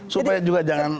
supaya juga jangan